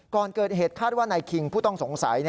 ก่อนเกิดเหตุคาดว่านายคิงผู้ต้องสงสัย